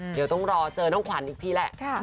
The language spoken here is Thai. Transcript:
เดี๋ยวต้องรอเจอน้องขวัญอีกทีแหละ